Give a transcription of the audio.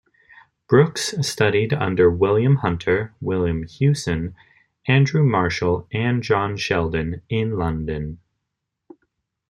Brookes studied under William Hunter, William Hewson, Andrew Marshall, and John Sheldon, in London.